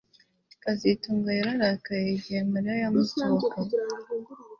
kazitunga yararakaye igihe Mariya yamusohokaga